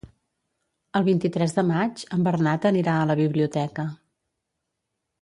El vint-i-tres de maig en Bernat anirà a la biblioteca.